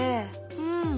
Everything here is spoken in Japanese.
うん。